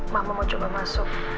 mama mau coba masuk